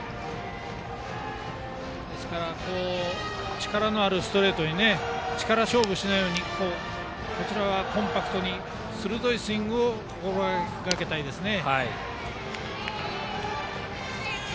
力のあるストレートに力勝負しないようにコンパクトに鋭いスイングを心がけたいですね。